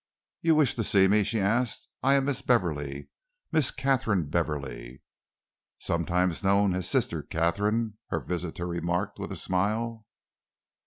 "You wish to see me?" she asked. "I am Miss Beverley Miss Katharine Beverley." "Sometimes known as Sister Katharine," her visitor remarked, with a smile.